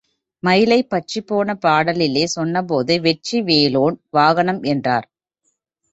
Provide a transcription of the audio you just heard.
மயிலைப் பற்றிப் போன பாடலிலே சொன்னபோது வெற்றி வேலோன் வாகனம் என்றார்.